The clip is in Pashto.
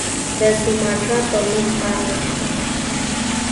د سوماټرا په نوم ښار نسته.